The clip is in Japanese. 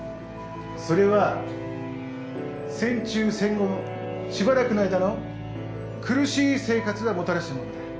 それは戦中戦後しばらくの間の苦しい生活がもたらしたものだ。